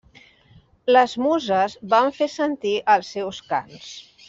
Les Muses van fer sentir els seus cants.